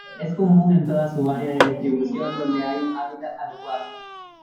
Es común en toda su área de distribución donde hay un hábitat adecuado.